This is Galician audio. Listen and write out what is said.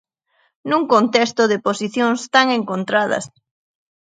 Nun contexto de posicións tan encontradas.